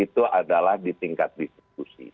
itu adalah di tingkat distribusi